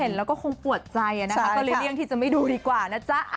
แล้วก็คงปวดใจนะคะก็เลยเลี่ยงที่จะไม่ดูดีกว่านะจ๊ะ